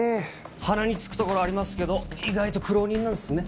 鼻につくところありますけど意外と苦労人なんすね。